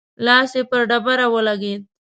لاس يې پر ډبره ولګېد.